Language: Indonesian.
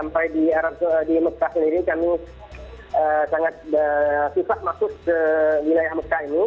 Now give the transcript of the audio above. sampai di arab di mecca sendiri kami sangat sifat masuk ke wilayah mecca ini